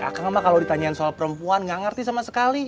akang mak kalau ditanyain soal perempuan enggak ngerti sama sekali